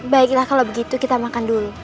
baiklah kalau begitu kita makan dulu